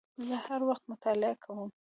زه هر وخت مطالعه کوم